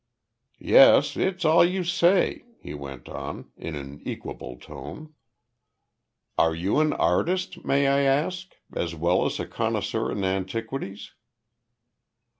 "Yes, it's all you say," he went on, in an equable tone. "Are you an artist, may I ask, as well as a connoisseur in antiquities?"